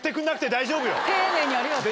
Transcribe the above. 丁寧にありがとう。